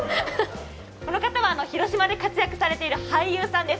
この方は広島で活躍されている俳優さんです。